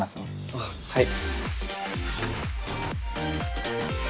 あっはい。